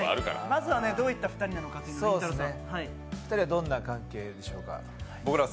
まずはどういった２人なのかりんたろーさん。